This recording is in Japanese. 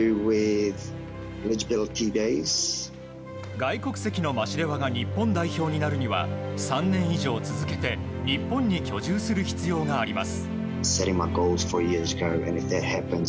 外国籍のマシレワが日本代表になるには３年以上続けて日本に居住する必要があります。